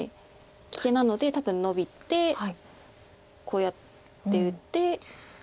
危険なので多分ノビてこうやって打って。